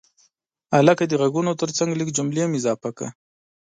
هلکه د غږونو ترڅنګ لږ جملې هم اضافه کړه.